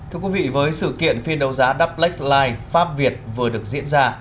thưa quý vị với sự kiện phiên đấu giá doublex line pháp việt vừa được diễn ra